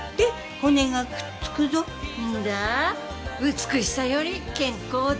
美しさより健康だ。